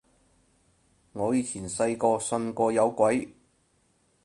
我以前細個信過有鬼